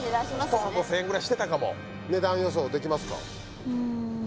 １箱１０００円ぐらいしてたかも値段予想できますか？